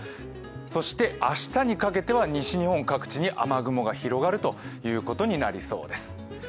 そして明日にかけては西日本各地に雨雲が広がるということになりそうです。